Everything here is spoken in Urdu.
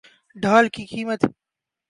ڈھال کی قیمت